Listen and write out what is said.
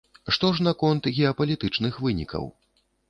Што ж наконт геапалітычных вынікаў?